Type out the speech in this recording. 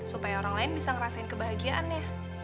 supaya orang lain bisa ngerasain kebahagiaan nih